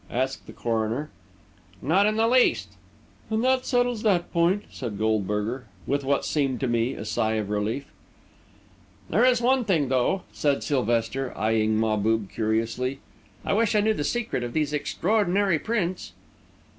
asked the coroner. "Not in the least." "Then that settles that point," said Goldberger, with what seemed to me a sigh of relief. "There is one thing, though," said Sylvester, eyeing Mahbub curiously; "I wish I knew the secret of these extraordinary prints."